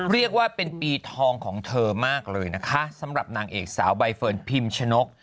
เรียกว่าเป็นปีทองของเธอมากเลยนะคะสำหรับนางเอกสาวใบเฟิร์นพิมชนก